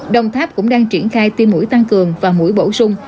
đồng tháp cũng đang triển khai tiêm mũi tăng cường và mũi bổ sung